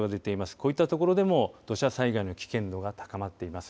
こういった所でも土砂災害の危険度が高まっています。